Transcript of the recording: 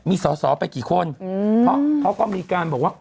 มีสอสอไปกี่คนเพราะเขาก็มีการบอกว่า